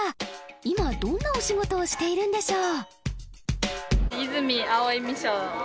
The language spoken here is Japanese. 今どんなお仕事をしているんでしょう？